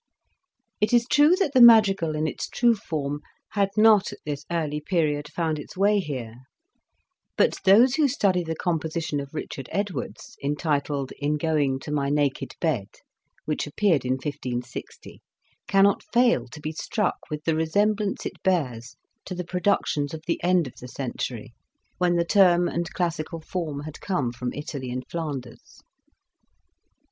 It is true that the madrigal in its true form had not at this early period found its way here ; but those who study the composition of Richard Edwards, entitled '' In going to my naked bed," which appeared in 1560, cannot fail to be struck with the resemblance it bears to the productions of the end of the century, when the term and classical form had come from Italy and Flanders.